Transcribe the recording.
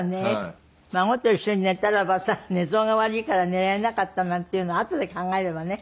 孫と一緒に寝たらばさ寝相が悪いから寝れなかったなんていうのあとで考えればね。